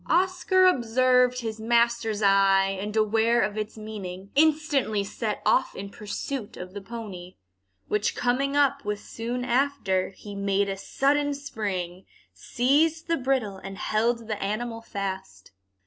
Oscar observed his master's eye, and aware of its meaning, instantly set off in pursuit of the pony, which coming up with soon after, he made a sudden spring, seized the bridle, and held the animal fast.